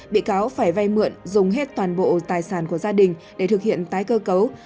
bị cáo phải vay mượn dùng hết toàn bộ tài sản của gia đình để thực hiện tái cơ cấu